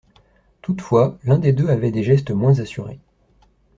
Toutefois, l’un des deux avait des gestes moins assurés.